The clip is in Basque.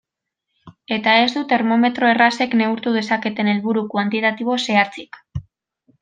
Eta ez du termometro errazek neurtu dezaketen helburu kuantitatibo zehatzik.